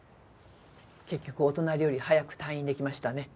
結局お隣より早く退院出来ましたね。